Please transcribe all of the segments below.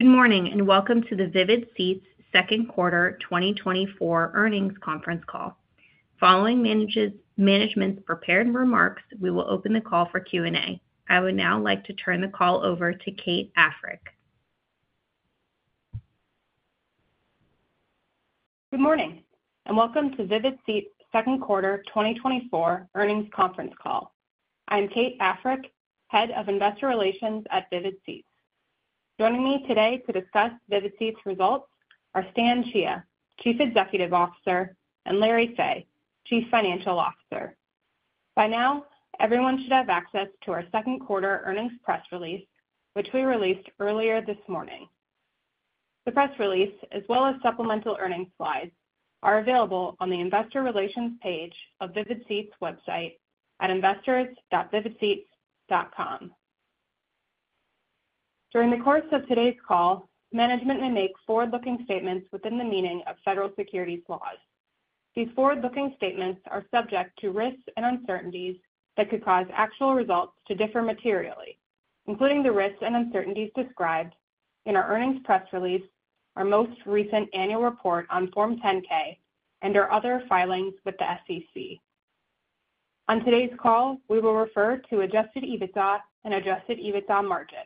Good morning, and welcome to the Vivid Seats Second Quarter 2024 Earnings Conference Call. Following management's prepared remarks, we will open the call for Q&A. I would now like to turn the call over to Kate Africk. Good morning, and welcome to Vivid Seats Second Quarter 2024 Earnings Conference Call. I'm Kate Africk, Head of Investor Relations at Vivid Seats. Joining me today to discuss Vivid Seats results are Stan Chia, Chief Executive Officer, and Larry Fey, Chief Financial Officer. By now, everyone should have access to our second quarter earnings press release, which we released earlier this morning. The press release, as well as supplemental earnings slides, are available on the investor relations page of Vivid Seats website at investors.vividseats.com. During the course of today's call, management may make forward-looking statements within the meaning of federal securities laws. These forward-looking statements are subject to risks and uncertainties that could cause actual results to differ materially, including the risks and uncertainties described in our earnings press release, our most recent annual report on Form 10-K, and our other filings with the SEC. On today's call, we will refer to Adjusted EBITDA and Adjusted EBITDA margin,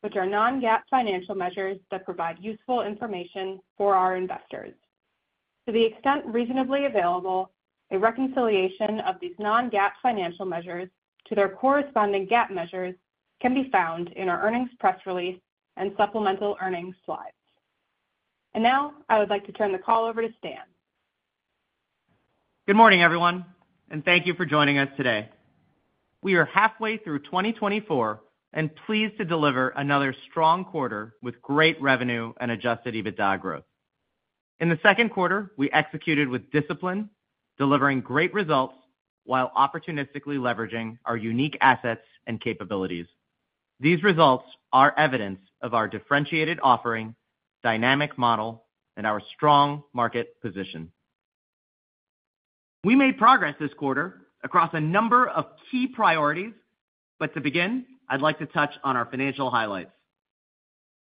which are non-GAAP financial measures that provide useful information for our investors. To the extent reasonably available, a reconciliation of these non-GAAP financial measures to their corresponding GAAP measures can be found in our earnings press release and supplemental earnings slides. And now, I would like to turn the call over to Stan. Good morning, everyone, and thank you for joining us today. We are halfway through 2024 and pleased to deliver another strong quarter with great revenue and Adjusted EBITDA growth. In the second quarter, we executed with discipline, delivering great results while opportunistically leveraging our unique assets and capabilities. These results are evidence of our differentiated offering, dynamic model, and our strong market position. We made progress this quarter across a number of key priorities, but to begin, I'd like to touch on our financial highlights.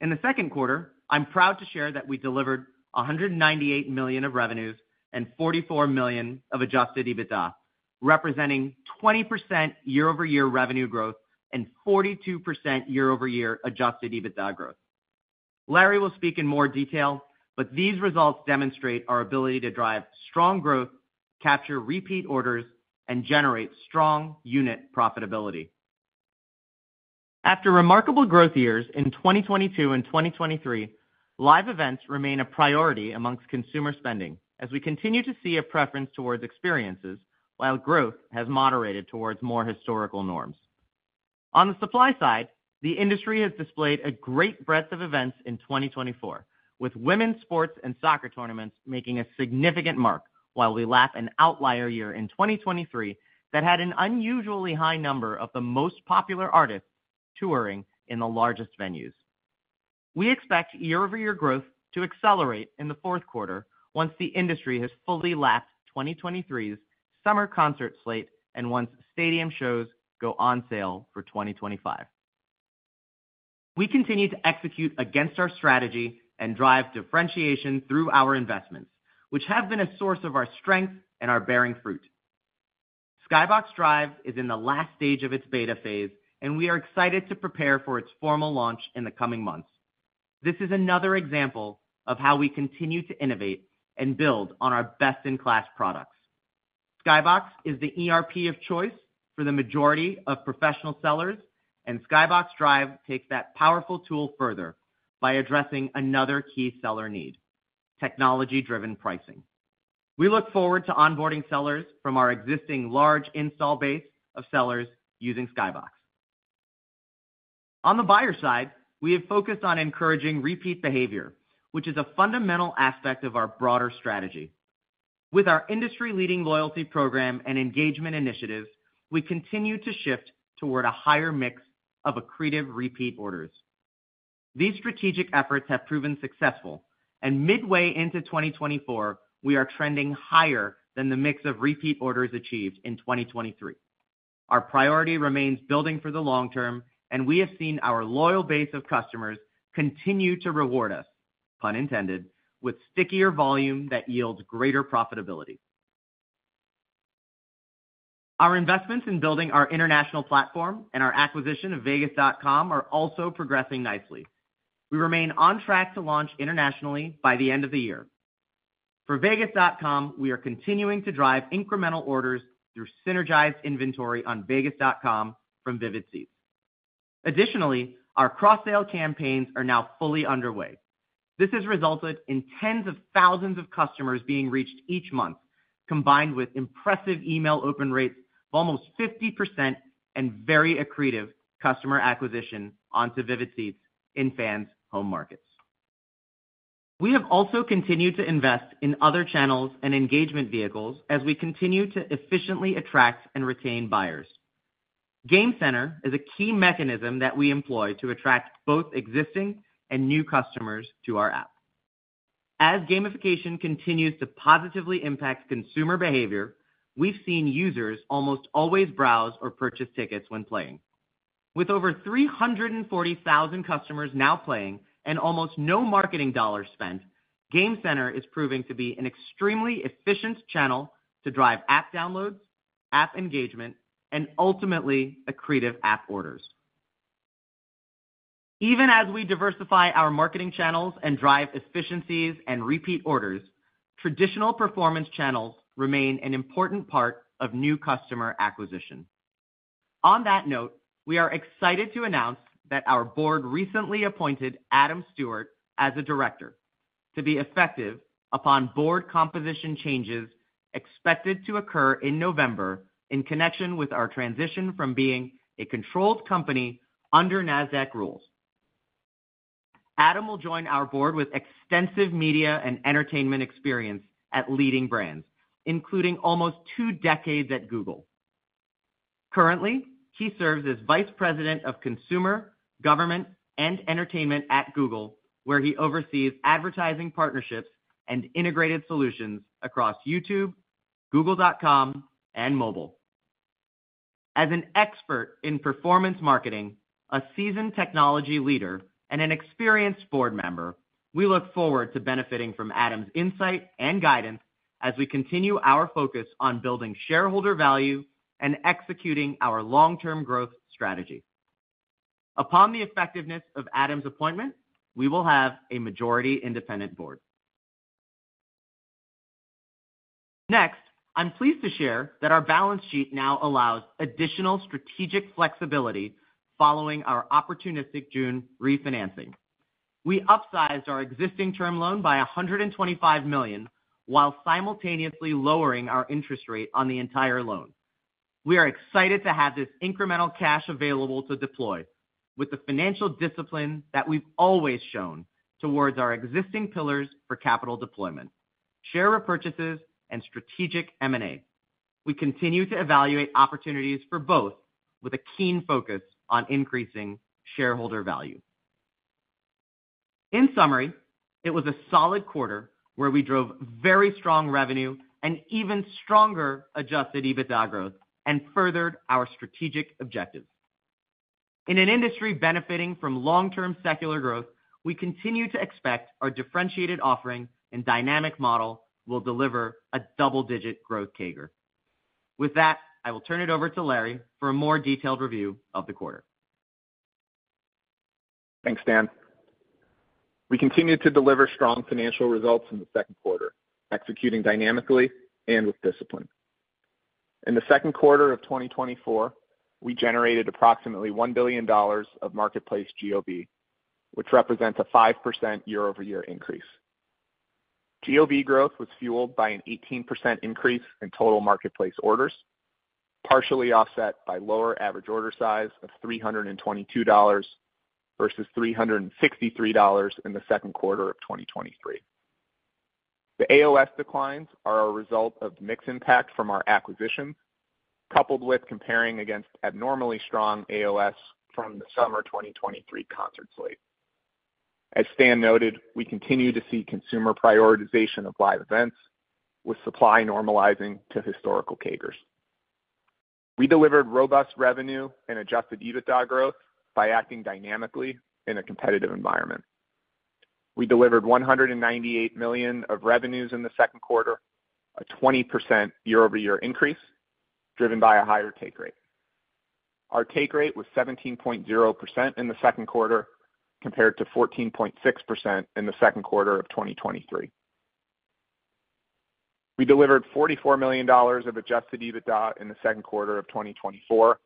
In the second quarter, I'm proud to share that we delivered $198 million of revenues and $44 million of Adjusted EBITDA, representing 20% year-over-year revenue growth and 42% year-over-year Adjusted EBITDA growth. Larry will speak in more detail, but these results demonstrate our ability to drive strong growth, capture repeat orders, and generate strong unit profitability. After remarkable growth years in 2022 and 2023, live events remain a priority among consumer spending as we continue to see a preference towards experiences, while growth has moderated towards more historical norms. On the supply side, the industry has displayed a great breadth of events in 2024, with women's sports and soccer tournaments making a significant mark while we lap an outlier year in 2023 that had an unusually high number of the most popular artists touring in the largest venues. We expect year-over-year growth to accelerate in the fourth quarter once the industry has fully lapped 2023's summer concert slate and once stadium shows go on sale for 2025. We continue to execute against our strategy and drive differentiation through our investments, which have been a source of our strength and are bearing fruit. Skybox Drive is in the last stage of its beta phase, and we are excited to prepare for its formal launch in the coming months. This is another example of how we continue to innovate and build on our best-in-class products. Skybox is the ERP of choice for the majority of professional sellers, and Skybox Drive takes that powerful tool further by addressing another key seller need: technology-driven pricing. We look forward to onboarding sellers from our existing large install base of sellers using Skybox. On the buyer side, we have focused on encouraging repeat behavior, which is a fundamental aspect of our broader strategy. With our industry-leading loyalty program and engagement initiatives, we continue to shift toward a higher mix of accretive repeat orders. These strategic efforts have proven successful, and midway into 2024, we are trending higher than the mix of repeat orders achieved in 2023. Our priority remains building for the long term, and we have seen our loyal base of customers continue to reward us, pun intended, with stickier volume that yields greater profitability. Our investments in building our international platform and our acquisition of Vegas.com are also progressing nicely. We remain on track to launch internationally by the end of the year. For Vegas.com, we are continuing to drive incremental orders through synergized inventory on Vegas.com from Vivid Seats. Additionally, our cross-sell campaigns are now fully underway. This has resulted in tens of thousands of customers being reached each month, combined with impressive email open rates of almost 50% and very accretive customer acquisition onto Vivid Seats in fans' home markets. We have also continued to invest in other channels and engagement vehicles as we continue to efficiently attract and retain buyers. Game Center is a key mechanism that we employ to attract both existing and new customers to our app. As gamification continues to positively impact consumer behavior, we've seen users almost always browse or purchase tickets when playing. With over 340,000 customers now playing and almost no marketing dollars spent, Game Center is proving to be an extremely efficient channel to drive app downloads, app engagement, and ultimately, accretive app orders. Even as we diversify our marketing channels and drive efficiencies and repeat orders, traditional performance channels remain an important part of new customer acquisition. On that note, we are excited to announce that our board recently appointed Adam Stewart as a director, to be effective upon board composition changes expected to occur in November, in connection with our transition from being a controlled company under Nasdaq rules. Adam will join our board with extensive media and entertainment experience at leading brands, including almost two decades at Google. Currently, he serves as Vice President of Consumer, Government, and Entertainment at Google, where he oversees advertising partnerships and integrated solutions across YouTube, google.com, and mobile. As an expert in performance marketing, a seasoned technology leader, and an experienced board member, we look forward to benefiting from Adam's insight and guidance as we continue our focus on building shareholder value and executing our long-term growth strategy. Upon the effectiveness of Adam's appointment, we will have a majority independent board. Next, I'm pleased to share that our balance sheet now allows additional strategic flexibility following our opportunistic June refinancing. We upsized our existing term loan by $125 million, while simultaneously lowering our interest rate on the entire loan. We are excited to have this incremental cash available to deploy with the financial discipline that we've always shown towards our existing pillars for capital deployment, share repurchases, and strategic M&A. We continue to evaluate opportunities for both, with a keen focus on increasing shareholder value. In summary, it was a solid quarter where we drove very strong revenue and even stronger Adjusted EBITDA growth and furthered our strategic objectives. In an industry benefiting from long-term secular growth, we continue to expect our differentiated offering and dynamic model will deliver a double-digit growth CAGR. With that, I will turn it over to Larry for a more detailed review of the quarter. Thanks, Dan. We continued to deliver strong financial results in the second quarter, executing dynamically and with discipline. In the second quarter of 2024, we generated approximately $1 billion of Marketplace GOV, which represents a 5% year-over-year increase. GOV growth was fueled by an 18% increase in total marketplace orders, partially offset by lower average order size of $322 versus $363 in the second quarter of 2023. The AOS declines are a result of mixed impact from our acquisitions, coupled with comparing against abnormally strong AOS from the summer 2023 concert slate. As Stan noted, we continue to see consumer prioritization of live events, with supply normalizing to historical CAGRs. We delivered robust revenue and Adjusted EBITDA growth by acting dynamically in a competitive environment. We delivered $198 million of revenues in the second quarter, a 20% year-over-year increase, driven by a higher take rate. Our take rate was 17.0% in the second quarter, compared to 14.6% in the second quarter of 2023. We delivered $44 million of adjusted EBITDA in the second quarter of 2024,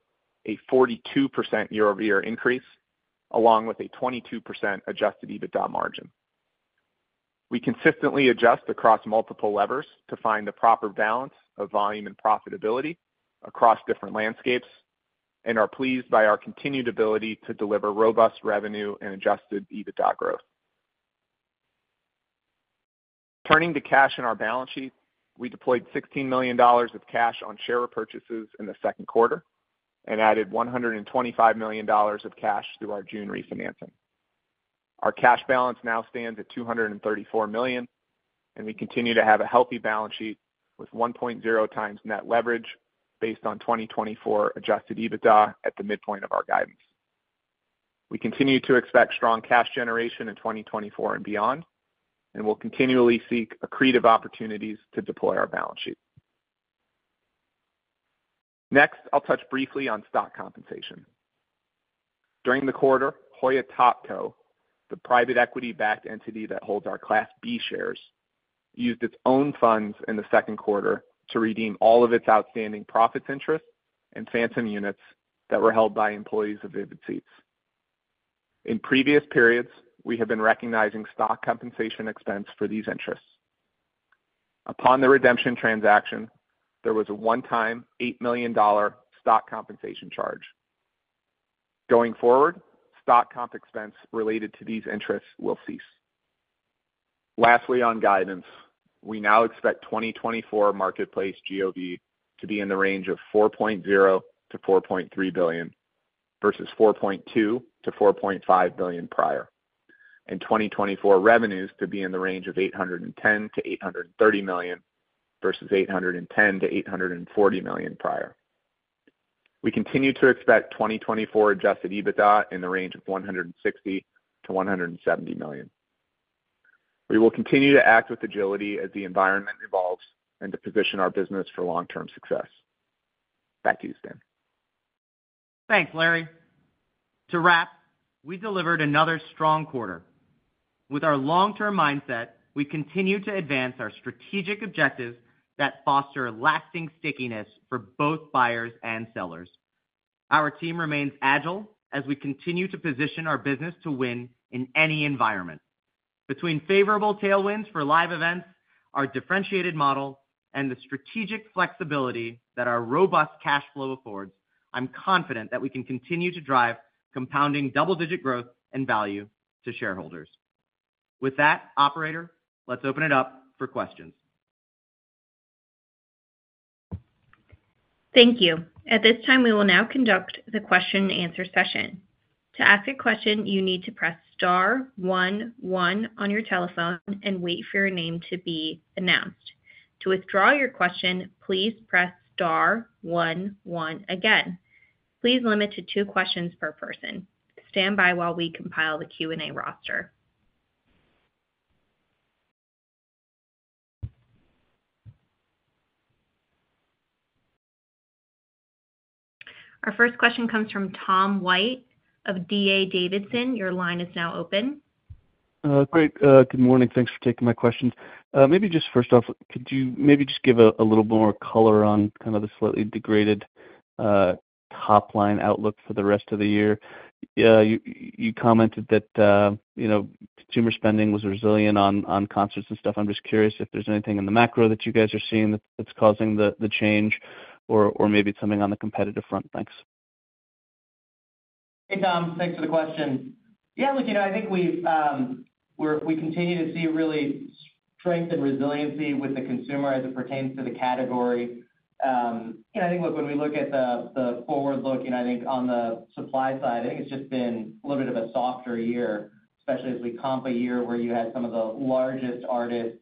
a 42% year-over-year increase, along with a 22% adjusted EBITDA margin. We consistently adjust across multiple levers to find the proper balance of volume and profitability across different landscapes, and are pleased by our continued ability to deliver robust revenue and adjusted EBITDA growth. Turning to cash in our balance sheet, we deployed $16 million of cash on share repurchases in the second quarter and added $125 million of cash through our June refinancing. Our cash balance now stands at $234 million, and we continue to have a healthy balance sheet with 1.0x net leverage based on 2024 adjusted EBITDA at the midpoint of our guidance. We continue to expect strong cash generation in 2024 and beyond, and we'll continually seek accretive opportunities to deploy our balance sheet. Next, I'll touch briefly on stock compensation. During the quarter, Hoya Topco, the private equity-backed entity that holds our Class B shares, used its own funds in the second quarter to redeem all of its outstanding profits interests, and phantom units that were held by employees of Vivid Seats. In previous periods, we have been recognizing stock compensation expense for these interests. Upon the redemption transaction, there was a one-time $8 million stock compensation charge. Going forward, stock comp expense related to these interests will cease. Lastly, on guidance, we now expect 2024 marketplace GOV to be in the range of $4.0 billion-$4.3 billion versus $4.2 billion-$4.5 billion prior, and 2024 revenues to be in the range of $810 million-$830 million, versus $810 million-$840 million prior. We continue to expect 2024 Adjusted EBITDA in the range of $160 million-$170 million. We will continue to act with agility as the environment evolves and to position our business for long-term success. Back to you, Stan. Thanks, Larry. To wrap, we delivered another strong quarter. With our long-term mindset, we continue to advance our strategic objectives that foster lasting stickiness for both buyers and sellers. Our team remains agile as we continue to position our business to win in any environment. Between favorable tailwinds for live events, our differentiated model, and the strategic flexibility that our robust cash flow affords, I'm confident that we can continue to drive compounding double-digit growth and value to shareholders. With that, operator, let's open it up for questions. Thank you. At this time, we will now conduct the question-and-answer session. To ask a question, you need to press star one, one on your telephone and wait for your name to be announced. To withdraw your question, please press star one, one again. Please limit to two questions per person. Stand by while we compile the Q&A roster. Our first question comes from Tom White of D.A. Davidson. Your line is now open. Great. Good morning. Thanks for taking my questions. Maybe just first off, could you maybe just give a little more color on kind of the slightly degraded top-line outlook for the rest of the year? Yeah, you commented that, you know, consumer spending was resilient on concerts and stuff. I'm just curious if there's anything in the macro that you guys are seeing that's causing the change, or maybe it's something on the competitive front. Thanks. Hey, Tom, thanks for the question. Yeah, look, you know, I think we continue to see real strength and resiliency with the consumer as it pertains to the category. You know, I think, look, when we look at the forward-looking, I think on the supply side, I think it's just been a little bit of a softer year, especially as we comp a year where you had some of the largest artists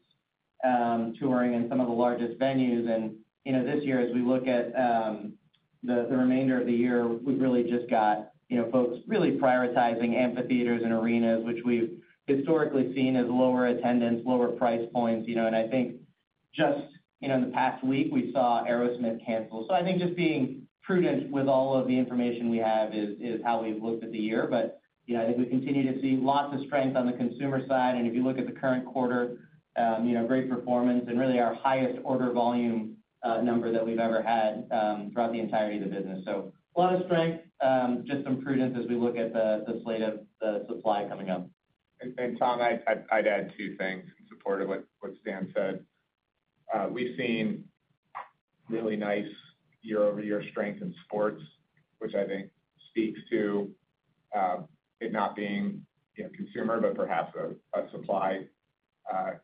touring in some of the largest venues. And, you know, this year, as we look at the remainder of the year, we've really just got, you know, folks really prioritizing amphitheaters and arenas, which we've historically seen as lower attendance, lower price points, you know, and I think just, you know, in the past week, we saw Aerosmith cancel. I think just being prudent with all of the information we have is how we've looked at the year. But yeah, I think we continue to see lots of strength on the consumer side, and if you look at the current quarter, you know, great performance and really our highest order volume number that we've ever had throughout the entirety of the business. So a lot of strength, just some prudence as we look at the slate of the supply coming up. And Tom, I'd add two things in support of what Stan said. We've seen really nice year-over-year strength in sports, which I think speaks to it not being, you know, consumer, but perhaps a supply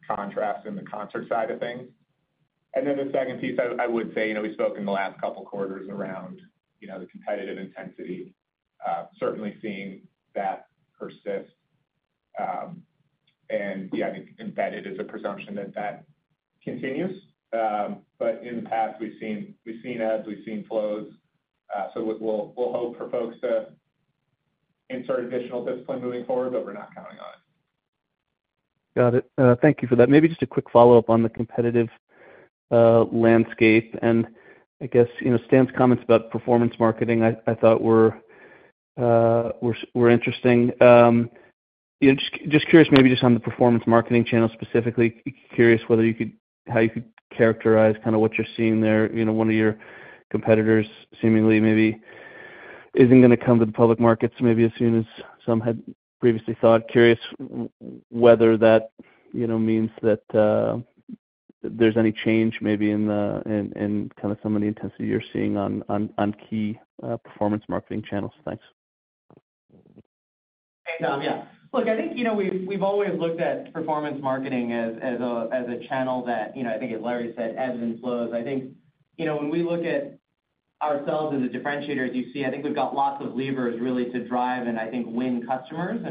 contrast in the concert side of things. And then the second piece, I would say, you know, we've spoken the last couple of quarters around, you know, the competitive intensity, certainly seeing that persist. And yeah, I think embedded is a presumption that that continues. But in the past, we've seen ebbs, we've seen flows. So we'll hope for folks to insert additional discipline moving forward, but we're not counting on it. Got it. Thank you for that. Maybe just a quick follow-up on the competitive landscape, and I guess, you know, Stan's comments about performance marketing, I thought were interesting. You know, just curious, maybe just on the performance marketing channel, specifically, curious whether you could, how you could characterize kind of what you're seeing there. You know, one of your competitors seemingly maybe isn't gonna come to the public markets maybe as soon as some had previously thought. Curious whether that, you know, means that, there's any change maybe in the, in kind of some of the intensity you're seeing on, on key performance marketing channels. Thanks. Hey, Tom. Yeah. Look, I think, you know, we've always looked at performance marketing as a channel that, you know, I think as Larry said, ebbs and flows. I think, you know, when we look at ourselves as a differentiator, as you see, I think we've got lots of levers really to drive and I think win customers.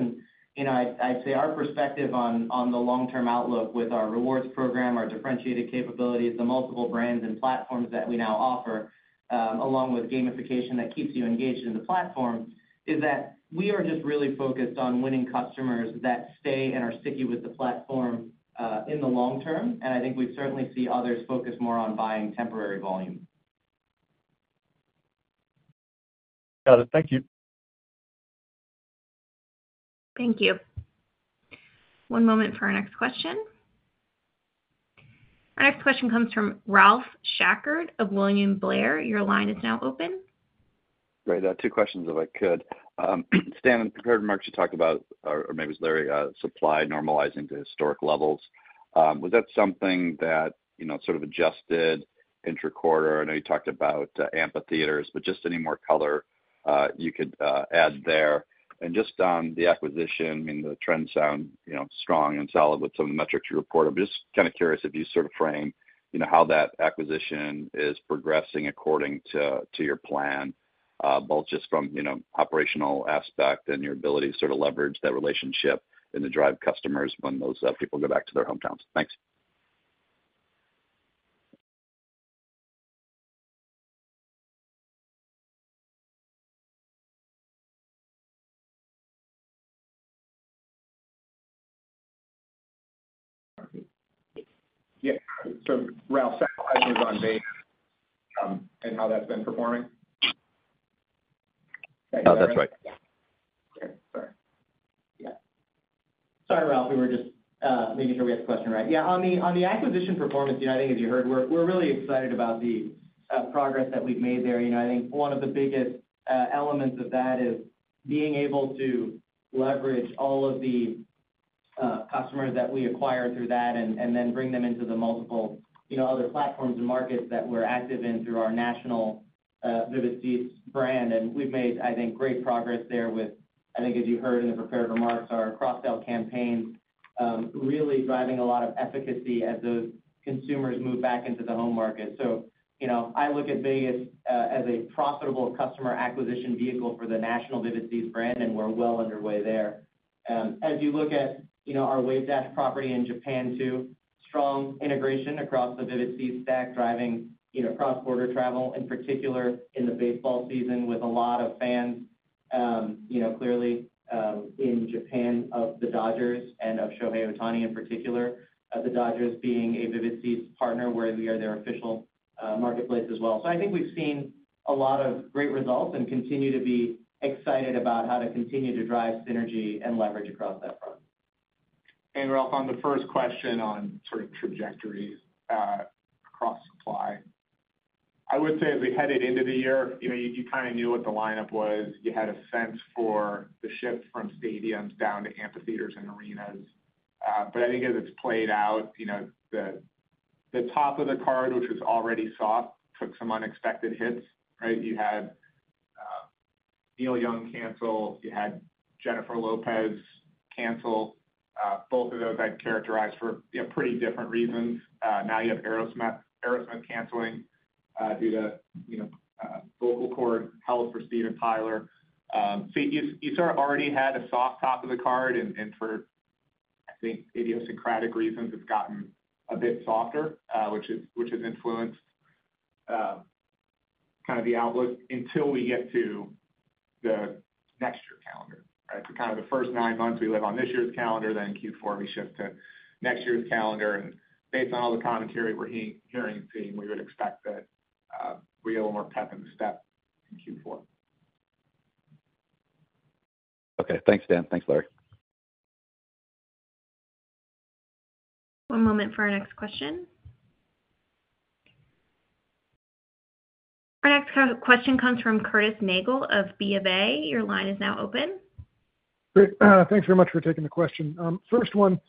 And, you know, I'd say our perspective on the long-term outlook with our rewards program, our differentiated capabilities, the multiple brands and platforms that we now offer, along with gamification that keeps you engaged in the platform, is that we are just really focused on winning customers that stay and are sticky with the platform in the long term. And I think we certainly see others focus more on buying temporary volume. Got it. Thank you. Thank you. One moment for our next question. Our next question comes from Ralph Schackart of William Blair. Your line is now open. Great. Two questions, if I could. Stan, in your prepared remarks, you talked about, or maybe it was Larry, supply normalizing to historic levels. Was that something that, you know, sort of adjusted intra-quarter? I know you talked about amphitheaters, but just any more color you could add there. And just on the acquisition, I mean, the trends sound, you know, strong and solid with some of the metrics you reported. I'm just kind of curious if you sort of frame, you know, how that acquisition is progressing according to your plan? Both just from, you know, operational aspect and your ability to sort of leverage that relationship and to drive customers when those people go back to their hometowns. Thanks. Yeah. So Ralph, on Vegas, and how that's been performing? Oh, that's right. Yeah. Sorry. Yeah. Sorry, Ralph. We were just making sure we had the question right. Yeah, on the acquisition performance, yeah, I think as you heard, we're really excited about the progress that we've made there. You know, I think one of the biggest elements of that is being able to leverage all of the customers that we acquire through that and then bring them into the multiple, you know, other platforms and markets that we're active in through our national Vivid Seats brand. And we've made, I think, great progress there with, I think, as you heard in the prepared remarks, our cross-sell campaign really driving a lot of efficacy as those consumers move back into the home market. So you know, I look at Vegas, as a profitable customer acquisition vehicle for the national Vivid Seats brand, and we're well underway there. As you look at, you know, our Wavedash property in Japan too, strong integration across the Vivid Seats stack, driving, you know, cross-border travel, in particular in the baseball season, with a lot of fans, you know, clearly, in Japan of the Dodgers and of Shohei Ohtani in particular, the Dodgers being a Vivid Seats partner, where we are their official, marketplace as well. So I think we've seen a lot of great results and continue to be excited about how to continue to drive synergy and leverage across that front. Ralph, on the first question on sort of trajectories across supply. I would say as we headed into the year, you know, you kind of knew what the lineup was. You had a sense for the shift from stadiums down to amphitheaters and arenas. But I think as it's played out, you know, the top of the card, which was already soft, took some unexpected hits, right? You had Neil Young cancel, you had Jennifer Lopez cancel. Both of those I'd characterize for you know pretty different reasons. Now you have Aerosmith canceling due to you know vocal cord health for Steven Tyler. So you sort of already had a soft top of the card, and for, I think, idiosyncratic reasons, it's gotten a bit softer, which has influenced kind of the outlook until we get to the next year calendar. Right, so kind of the first nine months, we live on this year's calendar, then Q4, we shift to next year's calendar. And based on all the commentary we're hearing and seeing, we would expect that we get a little more pep in the step in Q4. Okay. Thanks, Dan. Thanks, Larry. One moment for our next question. Our next question comes from Curtis Nagle of B of A. Your line is now open. Great. Thanks very much for taking the question. First one,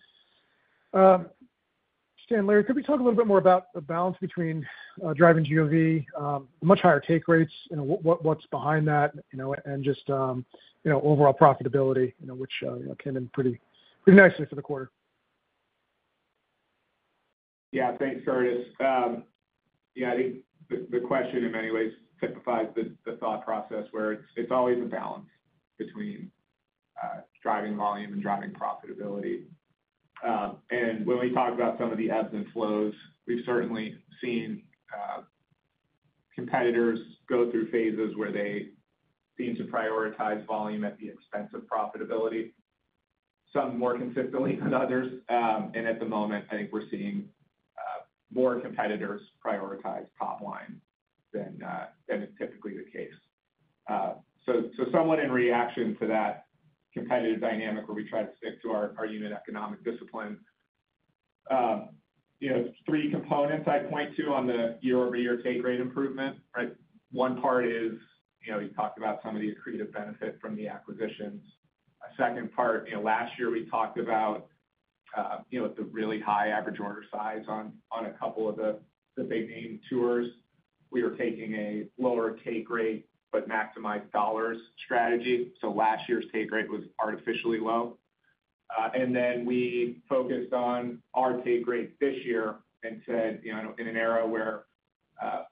Stan, Larry, could we talk a little bit more about the balance between driving GOV, much higher take rates, you know, what's behind that? You know, and just overall profitability, you know, which you know, came in pretty nicely for the quarter. Yeah. Thanks, Curtis. Yeah, I think the question in many ways typifies the thought process, where it's always a balance between driving volume and driving profitability. And when we talk about some of the ebbs and flows, we've certainly seen competitors go through phases where they seem to prioritize volume at the expense of profitability, some more consistently than others. And at the moment, I think we're seeing more competitors prioritize top line than is typically the case. So somewhat in reaction to that competitive dynamic where we try to stick to our unit economic discipline. You know, three components I'd point to on the year-over-year take rate improvement, right? One part is, you know, you talked about some of the accretive benefit from the acquisitions. A second part, you know, last year we talked about, you know, at the really high average order size on a couple of the big-name tours. We were taking a lower take rate, but maximize dollars strategy. So last year's take rate was artificially low. And then we focused on our take rate this year and said, you know, in an era where,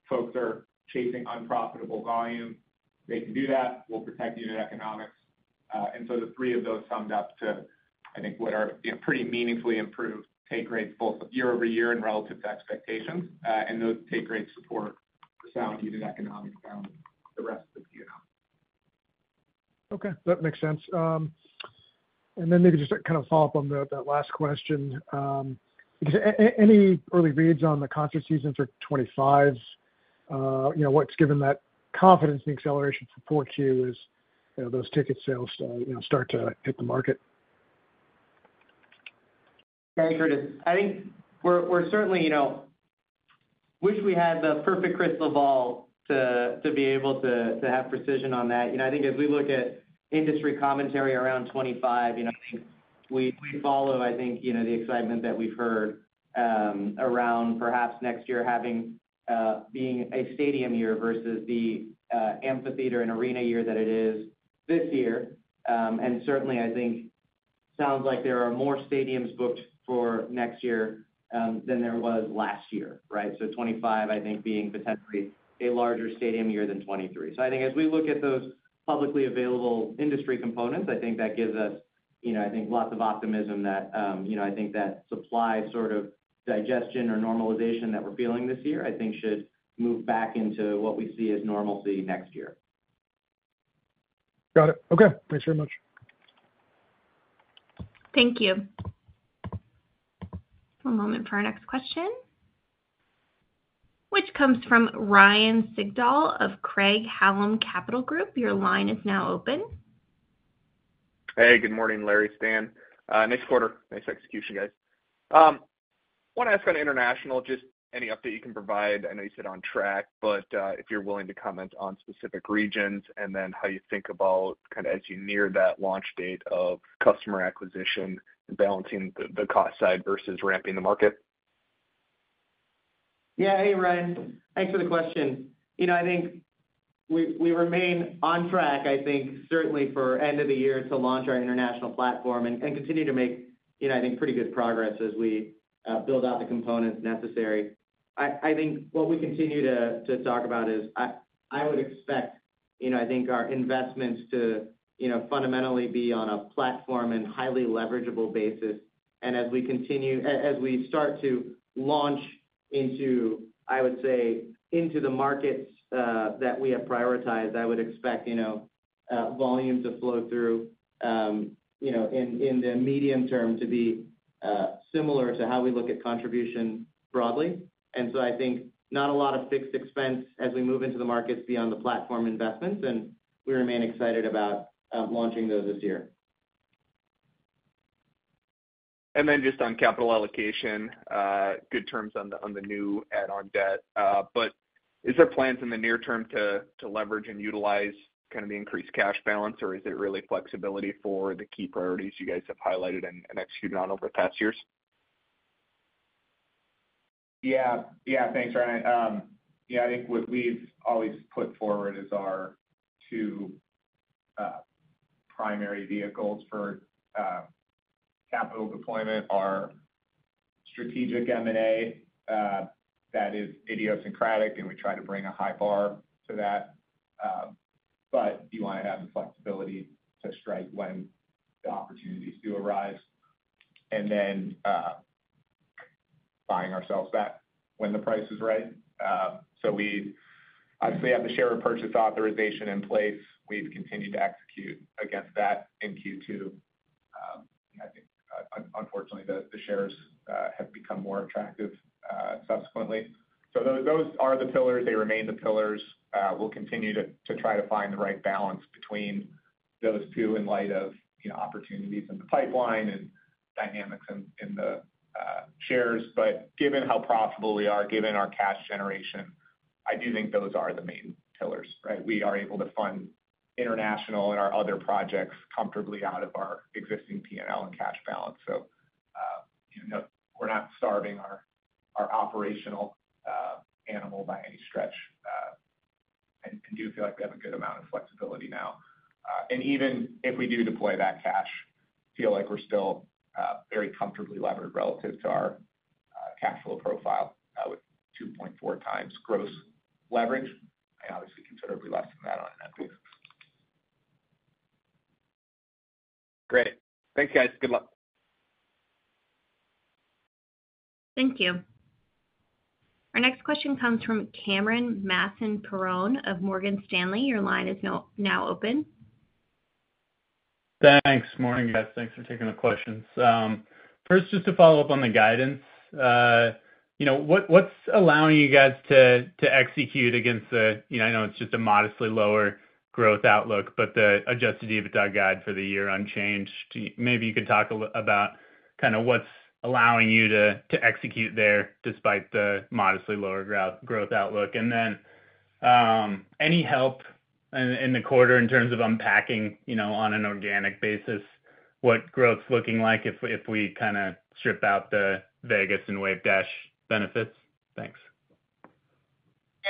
folks are chasing unprofitable volume, they can do that. We'll protect the unit economics. And so the three of those summed up to, I think, what are, you know, pretty meaningfully improved take rates, both year over year and relative to expectations, and those take rates support the sound unit economics around the rest of the year. Okay, that makes sense. And then maybe just to kind of follow up on that last question. Because any early reads on the concert seasons for 2025, you know, what's given that confidence and acceleration for Q4 is, you know, those ticket sales start to hit the market. Thanks, Curtis. I think we're certainly, you know, wish we had the perfect crystal ball to be able to have precision on that. You know, I think as we look at industry commentary around 2025, you know, I think we follow, I think, you know, the excitement that we've heard around perhaps next year having being a stadium year versus the amphitheater and arena year that it is this year. And certainly, I think sounds like there are more stadiums booked for next year than there was last year, right? So 2025, I think, being potentially a larger stadium year than 2023. I think as we look at those publicly available industry components, I think that gives us, you know, I think that supply sort of digestion or normalization that we're feeling this year should move back into what we see as normalcy next year. Got it. Okay, thanks very much. Thank you. One moment for our next question, which comes from Ryan Sigdahl of Craig-Hallum Capital Group. Your line is now open. Hey, good morning, Larry, Stan. Nice quarter. Nice execution, guys. Wanna ask on international, just any update you can provide. I know you said on track, but, if you're willing to comment on specific regions, and then how you think about kind of as you near that launch date of customer acquisition and balancing the, the cost side versus ramping the market. Yeah. Hey, Ryan, thanks for the question. You know, I think we remain on track, I think, certainly for end of the year to launch our international platform and continue to make, you know, I think, pretty good progress as we build out the components necessary. I think what we continue to talk about is I would expect, you know, I think our investments to, you know, fundamentally be on a platform and highly leverageable basis. And as we start to launch into, I would say, into the markets that we have prioritized, I would expect, you know, volume to flow through, you know, in the medium term to be similar to how we look at contribution broadly. I think not a lot of fixed expense as we move into the markets beyond the platform investments, and we remain excited about launching those this year. And then just on capital allocation, good terms on the new add-on debt. But is there plans in the near term to leverage and utilize kind of the increased cash balance, or is it really flexibility for the key priorities you guys have highlighted and executed on over the past years? Yeah. Yeah, thanks, Ryan. Yeah, I think what we've always put forward as our two primary vehicles for capital deployment are strategic M&A that is idiosyncratic, and we try to bring a high bar to that. But you wanna have the flexibility to strike when the opportunities do arise, and then buying ourselves back when the price is right. So we obviously have the share repurchase authorization in place. We've continued to execute against that in Q2. I think unfortunately the shares have become more attractive subsequently. So those are the pillars, they remain the pillars. We'll continue to try to find the right balance between those two in light of you know opportunities in the pipeline and dynamics in the shares. But given how profitable we are, given our cash generation, I do think those are the main pillars, right? We are able to fund international and our other projects comfortably out of our existing P&L and cash balance. So, you know, we're not starving our operational animal by any stretch, and do feel like we have a good amount of flexibility now. And even if we do deploy that cash, feel like we're still very comfortably levered relative to our cash flow profile, with 2.4x gross leverage, and obviously considerably less than that on net base. Great. Thanks, guys. Good luck. Thank you. Our next question comes from Cameron Mansson-Perrone of Morgan Stanley. Your line is now open. Thanks. Morning, guys. Thanks for taking the questions. First, just to follow up on the guidance. You know, what's allowing you guys to execute against the, you know, I know it's just a modestly lower growth outlook, but the Adjusted EBITDA guide for the year unchanged. Maybe you could talk a little about kind of what's allowing you to execute there despite the modestly lower growth outlook? And then, any help in the quarter in terms of unpacking, you know, on an organic basis, what growth's looking like if we kinda strip out the Vegas and Wavedash benefits? Thanks.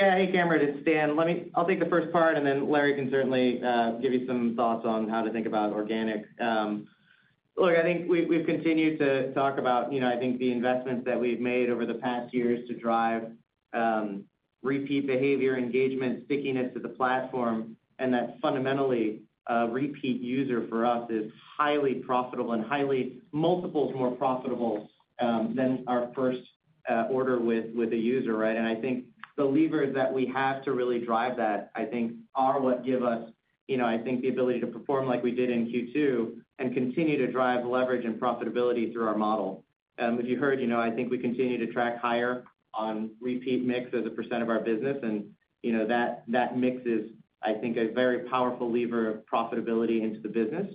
Yeah. Hey, Cameron, it's Stan. Let me, I'll take the first part, and then Larry can certainly give you some thoughts on how to think about organic. Look, I think we, we've continued to talk about, you know, I think the investments that we've made over the past years to drive repeat behavior, engagement, stickiness to the platform, and that fundamentally repeat user for us is highly profitable and highly multiples more profitable than our first order with a user, right? And I think the levers that we have to really drive that, I think are what give us, you know, I think the ability to perform like we did in Q2 and continue to drive leverage and profitability through our model. As you heard, you know, I think we continue to track higher on repeat mix as a percent of our business. And, you know, that, that mix is, I think, a very powerful lever of profitability into the business.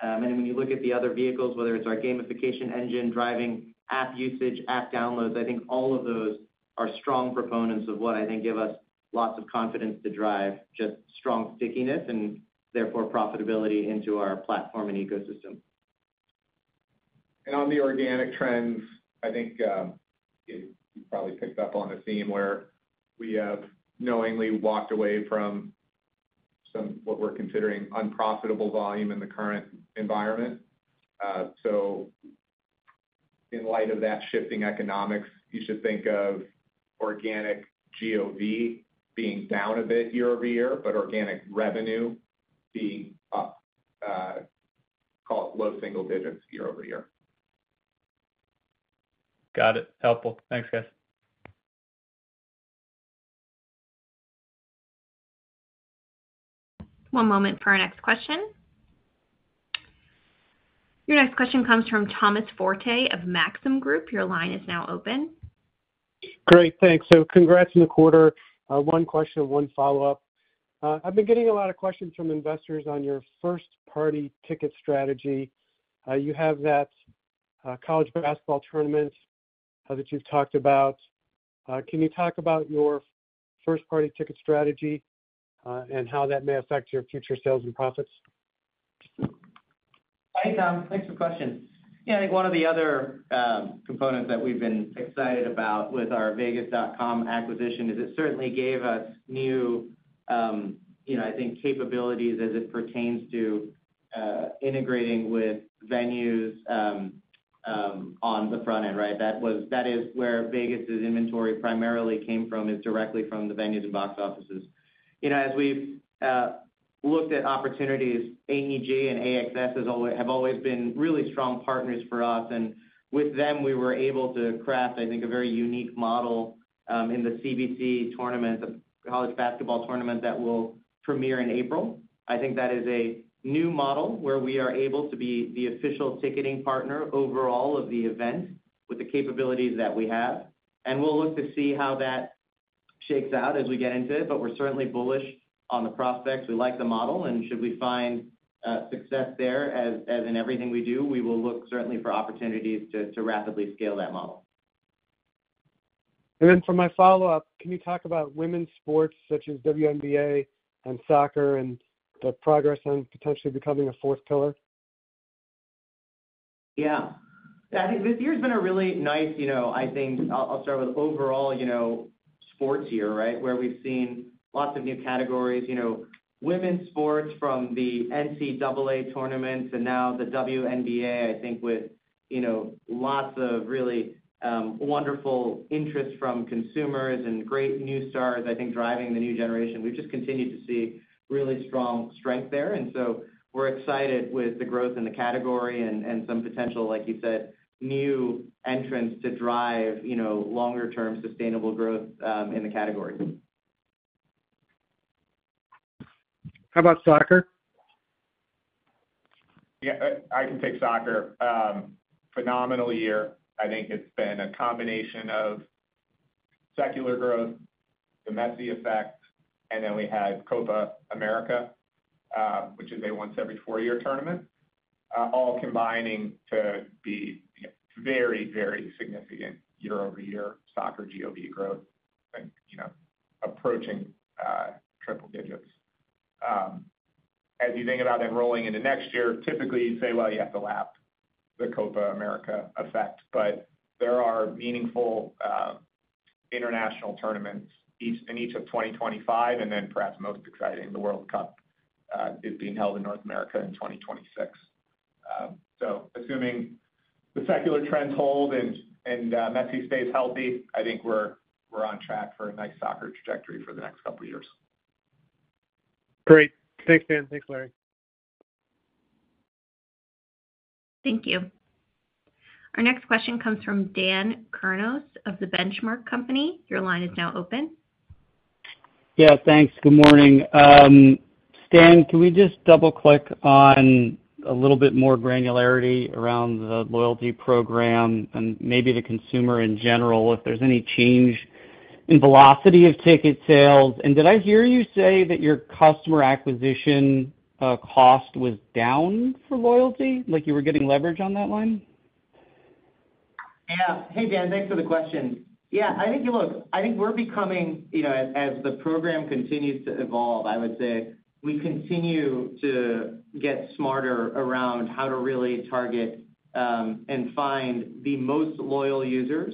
And when you look at the other vehicles, whether it's our gamification engine, driving app usage, app downloads, I think all of those are strong proponents of what I think give us lots of confidence to drive just strong stickiness and therefore, profitability into our platform and ecosystem. On the organic trends, I think you probably picked up on a theme where we have knowingly walked away from what we're considering unprofitable volume in the current environment. So in light of that shifting economics, you should think of organic GOV being down a bit year-over-year, but organic revenue being up, call it low single digits year-over-year. Got it. Helpful. Thanks, guys. One moment for our next question. Your next question comes from Thomas Forte of Maxim Group. Your line is now open. Great, thanks. So congrats on the quarter. One question, one follow-up. I've been getting a lot of questions from investors on your first-party ticket strategy. You have that college basketball tournament that you've talked about. Can you talk about your first-party ticket strategy, and how that may affect your future sales and profits? Hi, Tom. Thanks for the question. Yeah, I think one of the other components that we've been excited about with our Vegas.com acquisition is it certainly gave us new, you know, I think capabilities as it pertains to integrating with venues on the front end, right? That was- that is where Vegas' inventory primarily came from, is directly from the venues and box offices. You know, as we've looked at opportunities, AEG and AXS has always- have always been really strong partners for us, and with them, we were able to craft, I think, a very unique model in the CBC tournament, the college basketball tournament that will premiere in April. I think that is a new model where we are able to be the official ticketing partner overall of the event with the capabilities that we have, and we'll look to see how that shakes out as we get into it, but we're certainly bullish on the prospects. We like the model, and should we find success there, as in everything we do, we will look certainly for opportunities to rapidly scale that model. And then for my follow-up, can you talk about women's sports, such as WNBA and soccer and the progress on potentially becoming a fourth pillar? Yeah. I think this year's been a really nice, you know, I think I'll start with overall, you know, sports year, right? Where we've seen lots of new categories, you know, women's sports from the NCAA tournaments and now the WNBA, I think with, you know, lots of really wonderful interest from consumers and great new stars, I think, driving the new generation. We've just continued to see really strong strength there, and so we're excited with the growth in the category and some potential, like you said, new entrants to drive, you know, longer term sustainable growth in the category. How about soccer? Yeah, I can take soccer. Phenomenal year. I think it's been a combination of secular growth, the Messi effect, and then we had Copa América, which is a once every four-year tournament, all combining to be, you know, very, very significant year-over-year soccer GOV growth, I think, you know, approaching triple digits. As you think about enrolling into next year, typically, you'd say, well, you have to lap the Copa América effect, but there are meaningful international tournaments in each of 2025, and then perhaps most exciting, the World Cup is being held in North America in 2026. So assuming the secular trends hold and Messi stays healthy, I think we're on track for a nice soccer trajectory for the next couple of years. Great. Thanks, Dan. Thanks, Larry. Thank you. Our next question comes from Dan Kurnos of The Benchmark Company. Your line is now open. Yeah, thanks. Good morning. Stan, can we just double-click on a little bit more granularity around the loyalty program and maybe the consumer in general, if there's any change in velocity of ticket sales? And did I hear you say that your customer acquisition cost was down for loyalty, like you were getting leverage on that one? Yeah. Hey, Dan, thanks for the question. Yeah, I think we're becoming, you know, as the program continues to evolve, I would say, we continue to get smarter around how to really target and find the most loyal users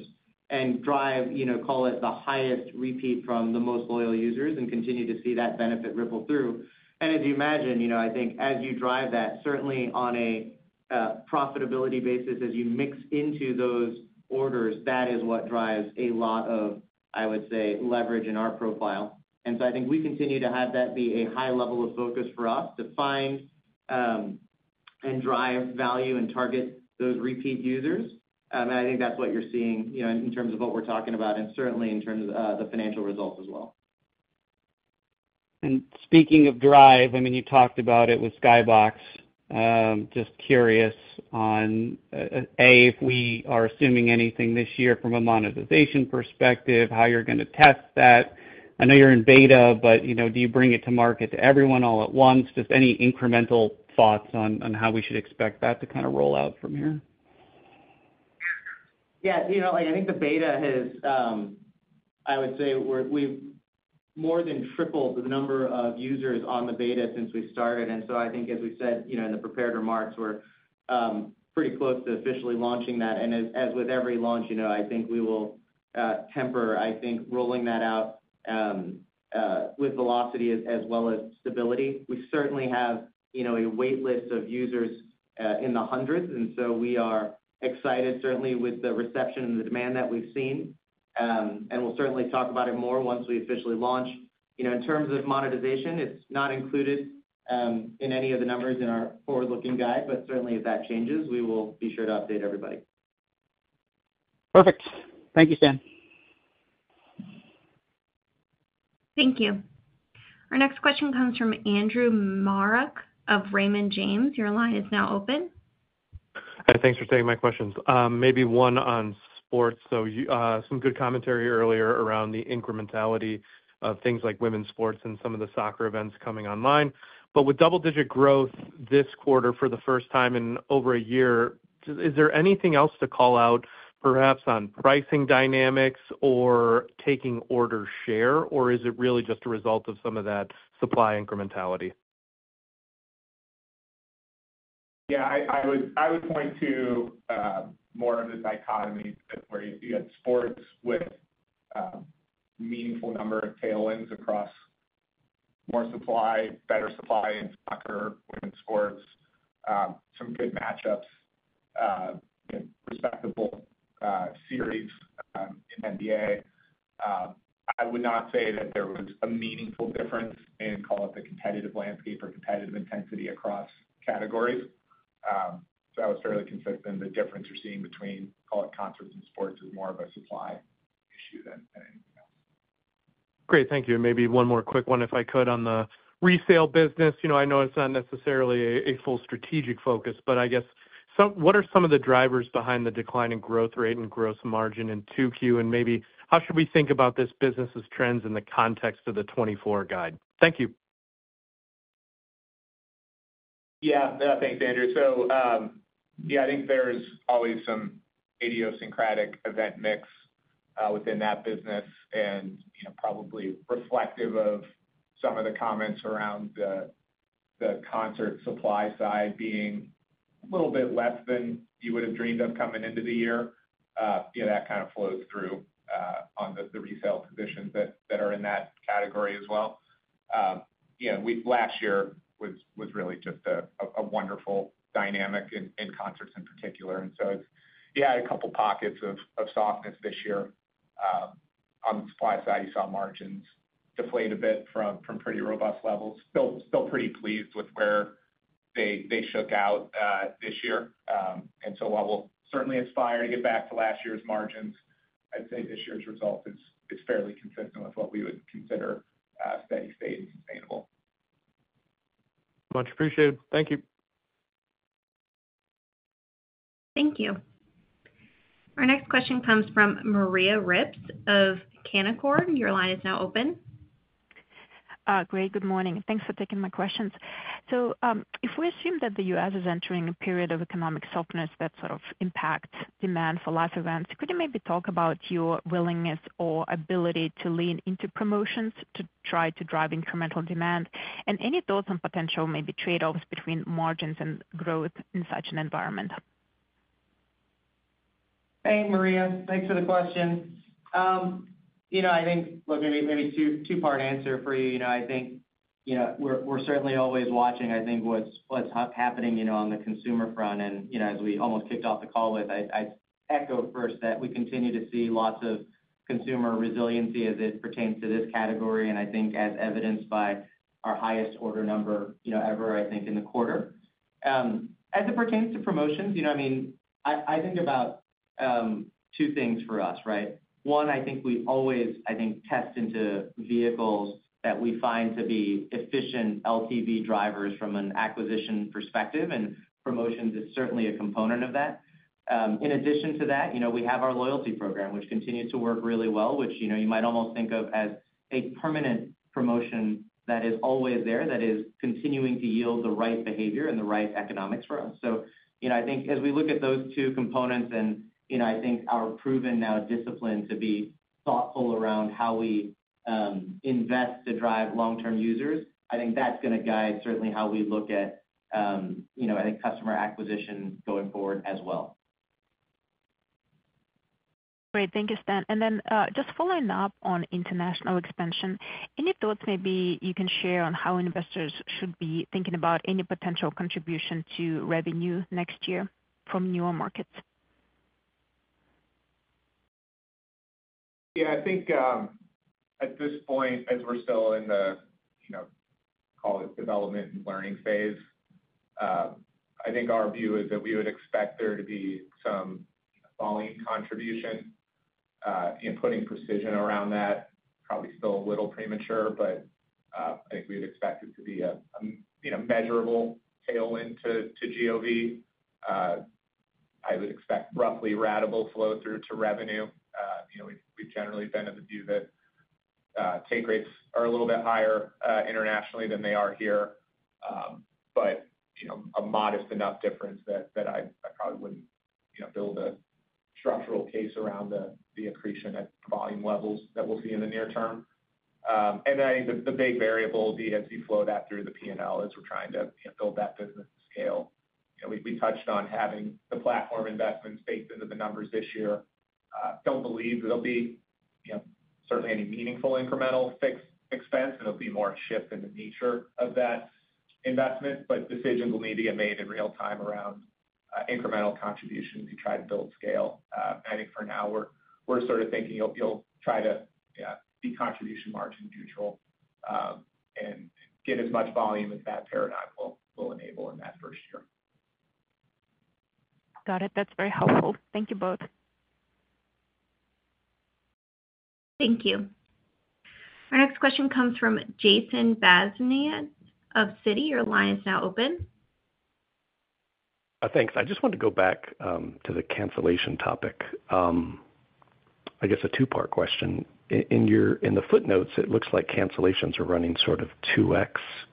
and drive, you know, call it, the highest repeat from the most loyal users and continue to see that benefit ripple through. And as you imagine, you know, I think as you drive that, certainly on a profitability basis, as you mix into those orders, that is what drives a lot of, I would say, leverage in our profile. And so I think we continue to have that be a high level of focus for us, to find and drive value and target those repeat users. I think that's what you're seeing, you know, in terms of what we're talking about, and certainly in terms of the financial results as well. And speaking of drive, I mean, you talked about it with Skybox. Just curious on if we are assuming anything this year from a monetization perspective, how you're gonna test that? I know you're in beta, but, you know, do you bring it to market to everyone all at once? Just any incremental thoughts on, on how we should expect that to kind of roll out from here. Yeah, you know, I think the beta has. I would say we've more than tripled the number of users on the beta since we started, and so I think as we said, you know, in the prepared remarks, we're pretty close to officially launching that. And as with every launch, you know, I think we will-... temper, I think, rolling that out, with velocity as well as stability. We certainly have, you know, a wait list of users in the hundreds, and so we are excited certainly with the reception and the demand that we've seen. And we'll certainly talk about it more once we officially launch. You know, in terms of monetization, it's not included in any of the numbers in our forward-looking guide, but certainly if that changes, we will be sure to update everybody. Perfect. Thank you, Stan. Thank you. Our next question comes from Andrew Marok of Raymond James. Your line is now open. Hi, thanks for taking my questions. Maybe one on sports. So you, some good commentary earlier around the incrementality of things like women's sports and some of the soccer events coming online. But with double-digit growth this quarter for the first time in over a year, is there anything else to call out, perhaps on pricing dynamics or taking order share? Or is it really just a result of some of that supply incrementality? Yeah, I, I would, I would point to more of the dichotomy where you had sports with meaningful number of tailwinds across more supply, better supply in soccer, women's sports, some good match-ups, respectable series in NBA. I would not say that there was a meaningful difference in, call it, the competitive landscape or competitive intensity across categories. So I would certainly consistent the difference you're seeing between, call it, concerts and sports, is more of a supply issue than, than anything else. Great. Thank you. And maybe one more quick one, if I could, on the resale business. You know, I know it's not necessarily a full strategic focus, but I guess, somewhat, what are some of the drivers behind the decline in growth rate and gross margin in 2Q? And maybe how should we think about this business's trends in the context of the 2024 guide? Thank you. Yeah. Thanks, Andrew. So, yeah, I think there's always some idiosyncratic event mix within that business, and, you know, probably reflective of some of the comments around the concert supply side being a little bit less than you would have dreamed of coming into the year. Yeah, that kind of flows through on the resale positions that are in that category as well. You know, we— last year was really just a wonderful dynamic in concerts in particular. And so it's... Yeah, had a couple pockets of softness this year. On the supply side, you saw margins deflate a bit from pretty robust levels. Still, pretty pleased with where they shook out this year. And so while we'll certainly aspire to get back to last year's margins, I'd say this year's result is fairly consistent with what we would consider steady state and sustainable. Much appreciated. Thank you. Thank you. Our next question comes from Maria Ripps of Canaccord. Your line is now open. Great! Good morning, and thanks for taking my questions. So, if we assume that the US is entering a period of economic softness that sort of impacts demand for live events, could you maybe talk about your willingness or ability to lean into promotions to try to drive incremental demand? And any thoughts on potential, maybe trade-offs between margins and growth in such an environment? Hey, Maria, thanks for the question. Well, maybe a two-part answer for you. You know, I think, you know, we're certainly always watching, I think, what's happening, you know, on the consumer front. You know, as we almost kicked off the call with, I'd echo first that we continue to see lots of consumer resiliency as it pertains to this category, and I think as evidenced by our highest order number, you know, ever, I think, in the quarter. As it pertains to promotions, you know, I mean, I think about two things for us, right? One, I think we always, I think, test into vehicles that we find to be efficient LTV drivers from an acquisition perspective, and promotions is certainly a component of that. In addition to that, you know, we have our loyalty program, which continues to work really well, which, you know, you might almost think of as a permanent promotion that is always there, that is continuing to yield the right behavior and the right economics for us. So, you know, I think as we look at those two components and, you know, I think our proven now discipline to be thoughtful around how we, invest to drive long-term users, I think that's gonna guide certainly how we look at, you know, at a customer acquisition going forward as well. Great. Thank you, Stan. And then, just following up on international expansion, any thoughts maybe you can share on how investors should be thinking about any potential contribution to revenue next year from newer markets? Yeah, I think, at this point, as we're still in the, you know, call it, development and learning phase, I think our view is that we would expect there to be some volume contribution. And putting precision around that, probably still a little premature, but, I think we'd expect it to be a, you know, measurable tailwind to, to GOV. I would expect roughly ratable flow-through to revenue. You know, we've, we've generally been of the view that, take rates are a little bit higher, internationally than they are here. But, you know, a modest enough difference that, that I, I probably wouldn't, you know, build a structural case around the, the accretion at volume levels that we'll see in the near term.... And I think the big variable will be as we flow that through the P&L, as we're trying to, you know, build that business to scale. You know, we touched on having the platform investments baked into the numbers this year. Don't believe there'll be, you know, certainly any meaningful incremental fixed expense. It'll be more a shift in the nature of that investment, but decisions will need to get made in real time around incremental contribution to try to build scale. I think for now, we're sort of thinking you'll try to, yeah, be contribution margin neutral, and get as much volume as that paradigm will enable in that first year. Got it. That's very helpful. Thank you both. Thank you. Our next question comes from Jason Bazinet of Citi. Your line is now open. Thanks. I just wanted to go back to the cancellation topic. I guess a two-part question. In the footnotes, it looks like cancellations are running sort of 2x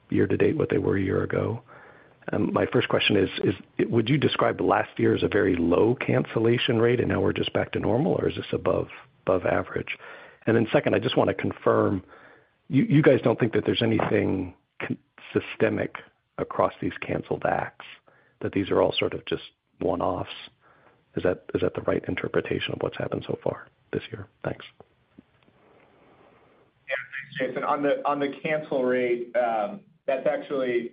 year to date what they were a year ago. My first question is: Would you describe last year as a very low cancellation rate, and now we're just back to normal, or is this above average? And then second, I just wanna confirm, you guys don't think that there's anything systemic across these canceled acts, that these are all sort of just one-offs? Is that the right interpretation of what's happened so far this year? Thanks. Yeah, thanks, Jason. On the cancel rate, that's actually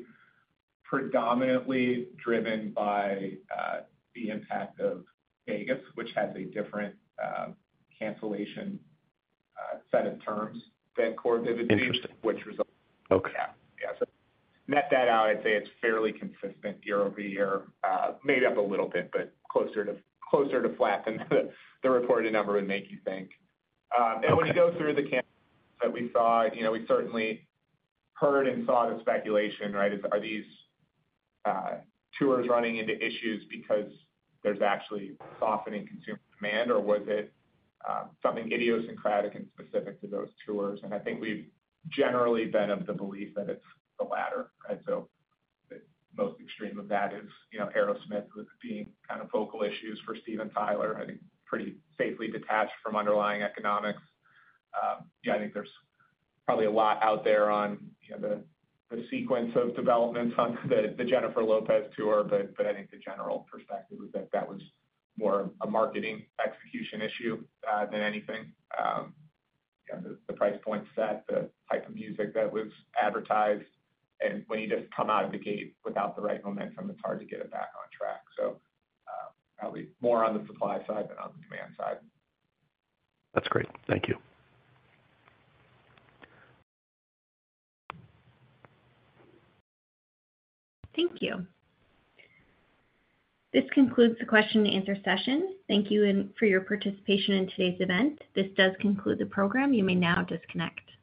predominantly driven by the impact of Vegas, which has a different cancellation set of terms than core business- Interesting. -which results. Okay. Yeah. Yeah, so net that out, I'd say it's fairly consistent year-over-year. Maybe up a little bit, but closer to, closer to flat than the reported number would make you think. Okay. When you go through the cancellations that we saw, you know, we certainly heard and saw the speculation, right? Is, are these tours running into issues because there's actually softening consumer demand, or was it, something idiosyncratic and specific to those tours? And I think we've generally been of the belief that it's the latter, right? So the most extreme of that is, you know, Aerosmith, with it being kind of vocal issues for Steven Tyler, I think, pretty safely detached from underlying economics. Yeah, I think there's probably a lot out there on, you know, the, the sequence of developments on the, the Jennifer Lopez tour. But, but I think the general perspective is that that was more a marketing execution issue, than anything. You know, the price point set, the type of music that was advertised, and when you just come out of the gate without the right momentum, it's hard to get it back on track. So, probably more on the supply side than on the demand side. That's great. Thank you. Thank you. This concludes the question and answer session. Thank you and for your participation in today's event. This does conclude the program. You may now disconnect.